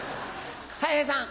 たい平さん。